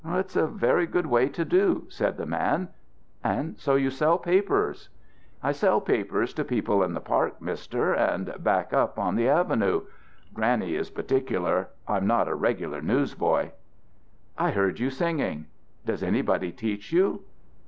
"It's a very good way to do," said the man. "And so you sell papers?" "I sell papers to people in the park, Mister, and back up on the avenue. Granny is particular. I'm not a regular newsboy." "I heard you singing. Does anybody teach you?"